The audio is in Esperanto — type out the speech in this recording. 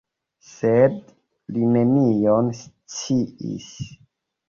Sed li nenion sciis.